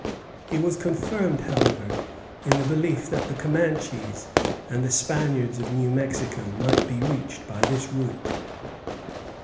He was confirmed, however, in the belief that the Comanches and the Spaniards of New Mexico might be reached by this route.